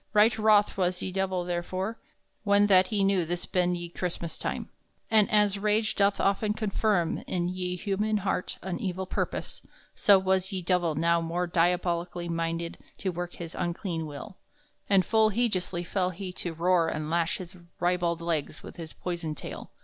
Right wroth was ye Divell, therefore, when that he knew this ben ye Chrystmass time. And as rage doth often confirm in ye human harte an evill purpose, so was ye Divell now more diabolically minded to work his unclean will, and full hejeously fell he to roar and lash his ribald legs with his poyson taile.